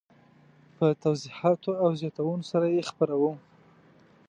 په توضیحاتو او زیاتونو سره یې خپروم.